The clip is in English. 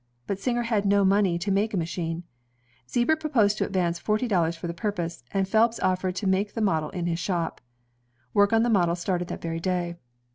But Singer had no money to make a machine. Zieber proposed to advance forty dollars for the puipose, and Phelps offered to make the model in his shop. Work on the model started that very day.